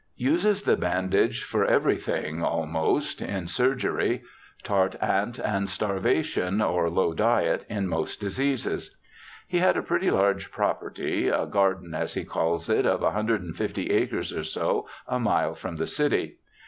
Uses the bandage for everything almost in surgery — tart. ant. and starvation, or low diet, in most diseases. He had a pretty large property, " a garden " as he calls it, of 150 acres or so, a mile from the city.